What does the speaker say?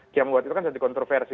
dia membuat itu kan jadi kontroversi